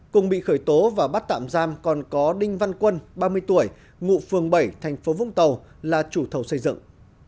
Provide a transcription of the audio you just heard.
cùng bị khởi tố và bắt tạm giam còn có đinh văn quân ba mươi tuổi ngụ phường bảy thành phố vũng tàu là chủ thầu xây dựng